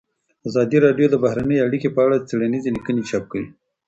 ازادي راډیو د بهرنۍ اړیکې په اړه څېړنیزې لیکنې چاپ کړي.